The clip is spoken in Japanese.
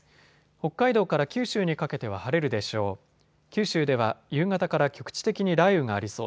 北海道から九州にかけては晴れるでしょう。